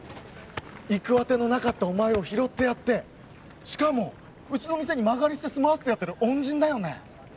行く当てのなかったお前を拾ってやってしかもうちの店に間借りして住まわせてやってる恩人だよね？